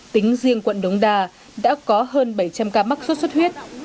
tính riêng quận đống đa đã có hơn bảy trăm linh ca mắc sốt xuất huyết